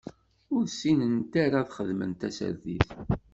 Ur ssinent ara ad xedment tasertit.